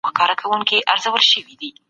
په ښایستو بڼو کي پټ رنګین و ښکلی